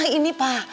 eh ini pa